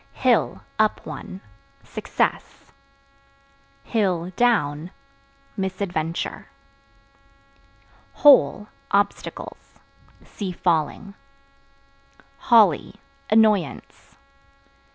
Hill (Up one) success; (down) misadventure. Hole Obstacles. See Falling. Holly Annoyance.